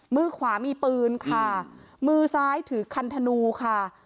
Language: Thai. มือขวามีปืนค่ะมือซ้ายถือคันธนูค่ะ